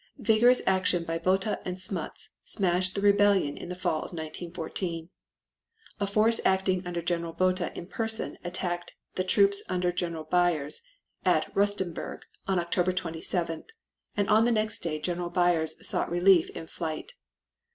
Vigorous action by Botha and Smuts smashed the rebellion in the fall of 1914. A force acting under General Botha in person attacked the troops under General Beyers at Rustemburg on October 27th, and on the next day General Beyers sought refuge in flight.